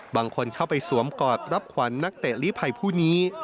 บางคนเข้าไปสวมกอดรับขวัญนักเตะลีภัยผู้นี้